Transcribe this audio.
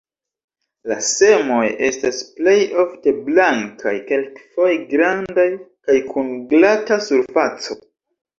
La semoj estas plej ofte blankaj, kelkfoje grandaj kaj kun glata surfaco.